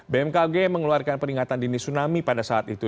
bmkg mengeluarkan peringatan dini tsunami pada saat itu